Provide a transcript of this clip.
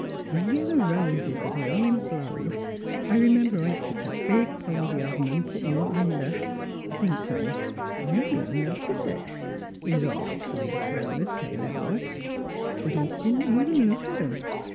The yellow roses was all in blow. I r 'member I'd picked a big posy of 'em an' put it in th' winder. Thinks s'l, mebbe he'll notice it. He was always fond o' flowers — Caleb was. But he didn't even look at 'em.